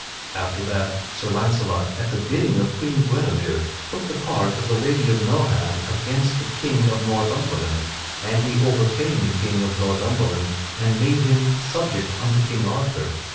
After that Sir Launcelot, at the bidding of Queen Guinevere, took the part of the Lady of Nohan against the King of Northumberland, and he overcame the King of Northumberland and made him subject unto King Arthur.